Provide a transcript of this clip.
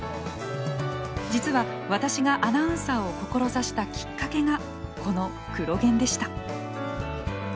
実は私がアナウンサーを志したきっかけがこの「クロ現」でした。